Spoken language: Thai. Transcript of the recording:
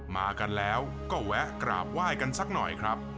มากันแล้วก็แวะกราบไหว้กันสักหน่อยครับ